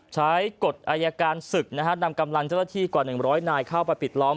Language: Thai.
กฎอายการศึกนะฮะนำกำลังเจ้าหน้าที่กว่า๑๐๐นายเข้าไปปิดล้อม